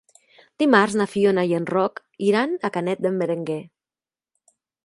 Dimarts na Fiona i en Roc iran a Canet d'en Berenguer.